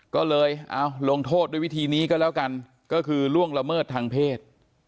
ก็เลยเอาลงโทษด้วยวิธีนี้ก็แล้วกันก็คือล่วงละเมิดทางเพศ